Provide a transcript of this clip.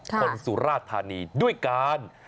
คนสุราธารณีด้วยการ